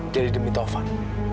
jadi demi taufan